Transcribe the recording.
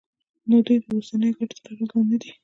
نو دوی د اوسنیو ګټو تر اغېز لاندې ندي.